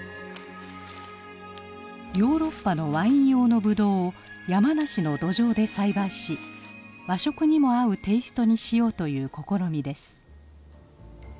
ヨーロッパのワイン用のブドウを山梨の土壌で栽培し和食にも合うテイストにしようという試みです。